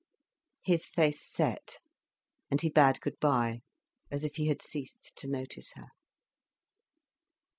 His face set. And he bade good bye, as if he had ceased to notice her.